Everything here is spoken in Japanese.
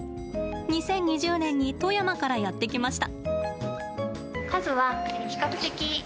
２０２０年に富山からやって来ました。